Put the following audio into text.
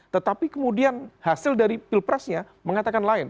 tetapi kemudian hasil dari pilpresnya mengatakan lain